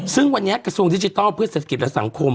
ซึ่งวันนี้กระทรวงดิจิทัลเพื่อเศรษฐกิจและสังคม